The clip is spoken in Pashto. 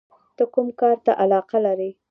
ته کوم کار ته علاقه لرې؟